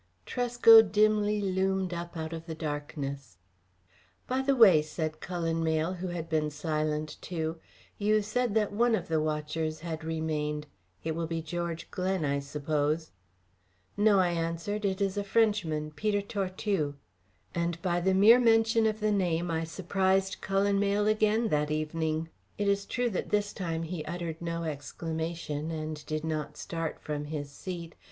Tresco dimly loomed up out of the darkness. "By the way," said Cullen Mayle, who had been silent too, "you said that one of the watchers had remained. It will be George Glen, I suppose." "No," I answered. "It is a Frenchman, Peter Tortue," and by the mere mention of the name I surprised Cullen Mayle again that evening. It is true that this time he uttered no exclamation, and did not start from his seat.